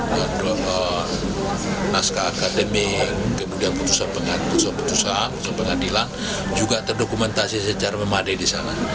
dan doa naskah akademik kemudian keputusan pengadilan juga terdokumentasi secara memadai di sana